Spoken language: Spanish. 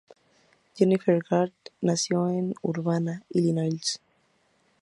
Jennifer Garth nació en Urbana, Illinois.